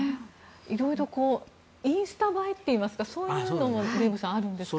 色々インスタ映えといいますかそういうのもあるんですかね。